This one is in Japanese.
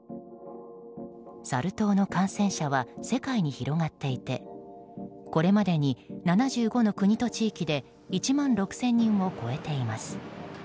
サル痘の感染者は世界に広がっていてこれまでに７５の国と地域で１万６０００人を超えています。